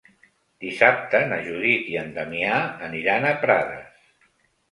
Dissabte na Judit i en Damià aniran a Prades.